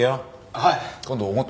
はい。